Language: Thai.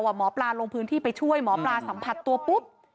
หมอปลาลงพื้นที่ไปช่วยหมอปลาสัมผัสตัวปุ๊บ